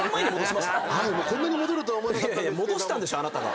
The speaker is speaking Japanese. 戻したんでしょあなたが。